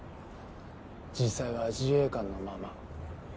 実際は自衛官のまま。